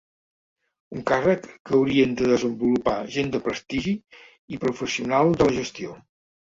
Un càrrec que haurien de desenvolupar gent de prestigi i professional de la gestió.